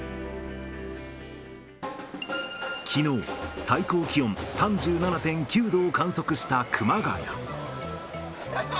きのう、最高気温３７．９度を観測した熊谷。